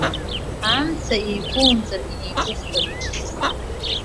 Амца еиқәумҵар, инеиқәыхьшәашәоит.